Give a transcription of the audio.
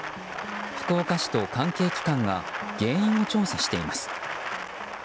福岡市と関係機関が原因を調査しています。